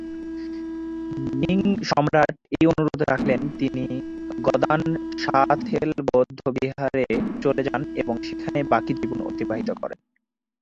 Ming সম্রাট এই অনুরোধ রাখলে তিনি গ্দান-সা-থেল বৌদ্ধবিহারে চলে যান এবং সেখানে বাকি জীবন অতিবাহিত করেন।